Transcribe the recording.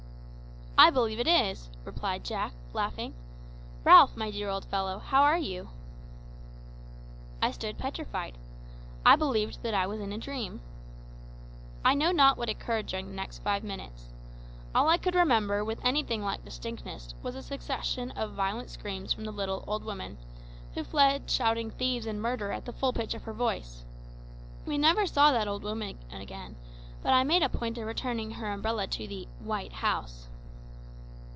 "I believe it is," replied Jack, laughing. "Ralph, my dear old fellow, how are you?" I stood petrified. I believed that I was in a dream. I know not what occurred during the next five minutes. All I could remember with anything like distinctness was a succession of violent screams from the little old woman, who fled shouting thieves and murder at the full pitch of her voice. We never saw that old woman again, but I made a point of returning her umbrella to the "white house."